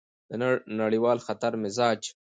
د نړیوال خطر مزاج: